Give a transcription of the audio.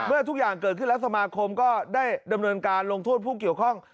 ทุกอย่างเกิดขึ้นแล้วสมาคมก็ได้ดำเนินการลงโทษผู้เกี่ยวข้อง